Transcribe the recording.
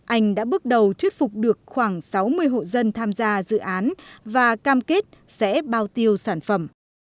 anh đã bước đầu thuyết phục được khoảng sáu mươi hộ dân tham gia dự án và cam kết sẽ bao tiêu sản phẩm